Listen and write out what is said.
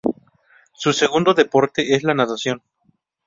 Su segundo deporte es la Natación.